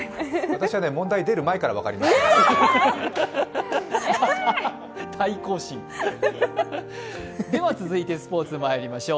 私はね、問題出る前から分かりました。